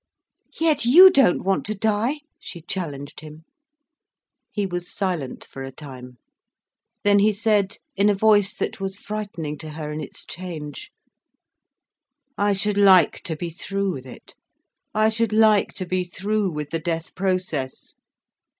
"Yet you don't want to die," she challenged him. He was silent for a time. Then he said, in a voice that was frightening to her in its change: "I should like to be through with it—I should like to be through with the death process."